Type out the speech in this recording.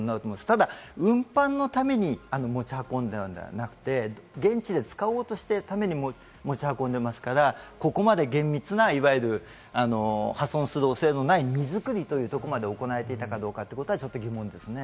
ただ運搬のために持ち運んでいるのではなくて、現地で使おうとしているために持ち運んでいますから、ここまで厳密な破損する恐れのない荷造りというところまで行われていたかは疑問ですね。